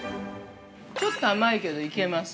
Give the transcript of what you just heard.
◆ちょっと甘いけど、いけます。